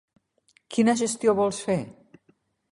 Quina gestió vols fer?